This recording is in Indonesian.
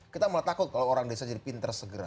kita malah takut kalau orang desa jadi pinter segera